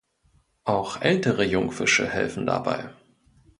Auch ältere Jungfische helfen dabei.